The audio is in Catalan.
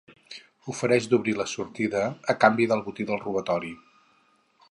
Ofereix d'obrir la sortida a canvi del botí del robatori.